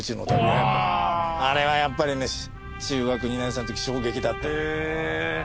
あれはやっぱりね中学２年生のとき衝撃だった。